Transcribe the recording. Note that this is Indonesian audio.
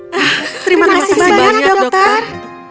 terima kasih banyak dokter